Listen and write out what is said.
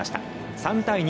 ３対２。